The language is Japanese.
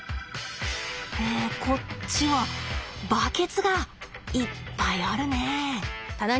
えこっちはバケツがいっぱいあるね。